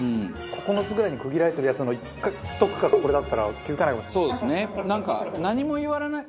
９つぐらいに区切られてるやつのひと区画これだったら気付かないかもしれない。